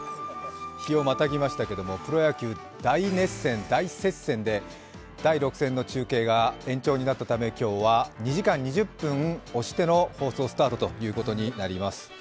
日をまたぎましたが、プロ野球、大熱戦、大接戦で第６戦の中継が延長になったため今日は２時間２０分押しての放送スタートとなります。